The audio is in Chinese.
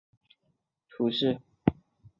欧班日人口变化图示